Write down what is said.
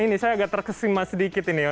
ini saya agak terkesima sedikit ini ya